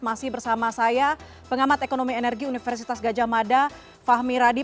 masih bersama saya pengamat ekonomi energi universitas gajah mada fahmi radi